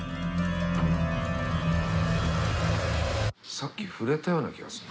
さっき触れたような気がすんな。